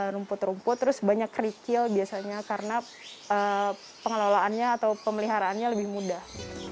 rumput rumput terus banyak kerikil biasanya karena pengelolaannya atau pemeliharaannya lebih mudah